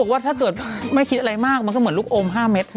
ว่าถ้าเกิดไม่คิดอะไรมากมันก็เหมือนลูกอม๕เม็ด